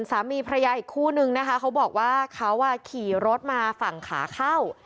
สามีพระยาอีกคู่นึงนะคะเขาบอกว่าเขาขี่รถมาฝั่งขาเข้า